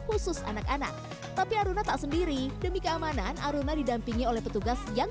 khusus anak anak tapi aruna tak sendiri demi keamanan aruna didampingi oleh petugas yang